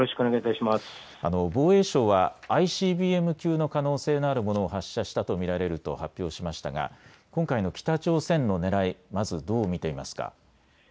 防衛省はＩＣＢＭ級の可能性のあるものを発射したと見られると発表しましたが今回の北朝鮮のねらい、まずどう見ていますか。